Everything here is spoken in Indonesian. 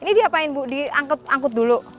ini diapain bu diangkut angkut dulu